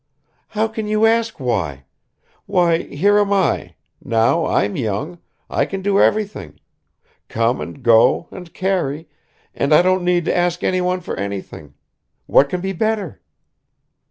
"How can you ask why? Why, here am I, now I'm young, I can do everything come and go and carry, and I don't need to ask anyone for anything ... What can be better?"